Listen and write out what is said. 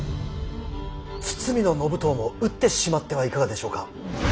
堤信遠も討ってしまってはいかがでしょうか。